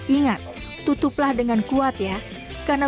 ingat tutuplah dengan kuat ya karena